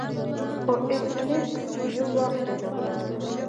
خو ایس میکس یو وخت یادونه وکړه